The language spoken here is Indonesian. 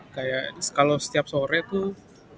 kayak kalau setiap sore tuh